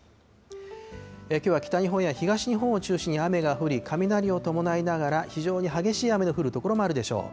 きょうは北日本や東日本を中心に雨が降り、雷を伴いながら、非常に激しい雨の降る所もあるでしょう。